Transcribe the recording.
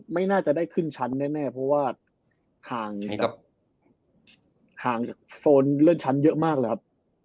ไม่น่าจะได้ขึ้นชั้นแน่เพราะว่าห่างจากโซนเลื่อนชั้นเยอะมากเลยครับ